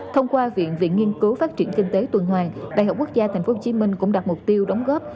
thông qua viện viện nghiên cứu phát triển kinh tế tuần hoàng đại học quốc gia tp hcm cũng đặt mục tiêu đóng góp